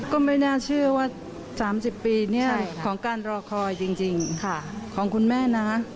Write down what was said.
ก็ไม่น่าเชื่อว่า๓๐ปีเนี่ยของการรอคอยจริงของคุณแม่นะ